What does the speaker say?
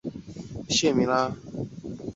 检委会专职委员万春、张志杰先后发言